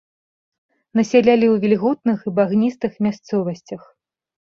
Насялялі ў вільготных і багністых мясцовасцях.